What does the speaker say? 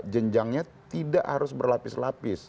jenjangnya tidak harus berlapis lapis